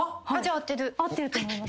合ってると思います。